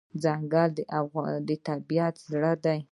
ځنګل د طبیعت زړه دی.